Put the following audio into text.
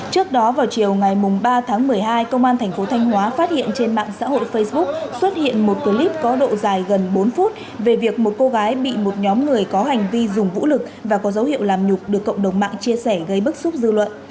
trước đó vào chiều ngày ba tháng một mươi hai công an thành phố thanh hóa phát hiện trên mạng xã hội facebook xuất hiện một clip có độ dài gần bốn phút về việc một cô gái bị một nhóm người có hành vi dùng vũ lực và có dấu hiệu làm nhục được cộng đồng mạng chia sẻ gây bức xúc dư luận